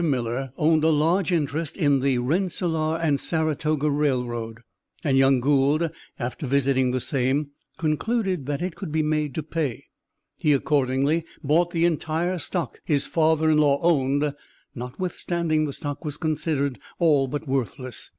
Miller owned a large interest in the Rensselaer & Saratoga Railroad, and young Gould, after visiting the same, concluded that it could be made to pay. He accordingly bought the entire stock his father in law owned, notwithstanding the stock was considered all but worthless.